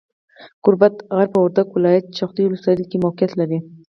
ګوربت غر، په وردګو ولایت، جغتو ولسوالۍ کې موقیعت لري.